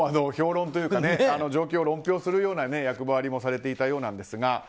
評論というか状況を論評するような役回りもされていたようなんですが。